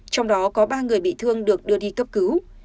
trong đó có ba người bị thương được đưa đi cấp cứu